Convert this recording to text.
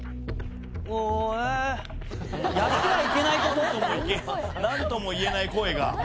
何とも何ともいえない声が。